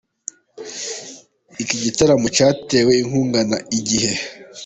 Iki gitaramo cyatewe inkunga na Igihe.